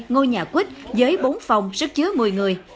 ngôi nhà quýt với bốn phòng sức chứa mười người